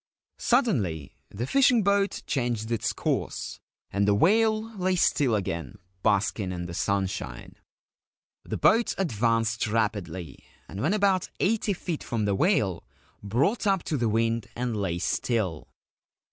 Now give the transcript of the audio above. Suddenly the fishing boat changed its course, and the whale lay still again, basking in the sunshine. The boat advanced rapidly, and when about eighty feet from the whale brought up to the wind and lay still.